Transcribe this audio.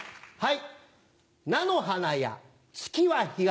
はい。